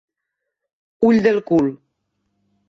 Ull del cul.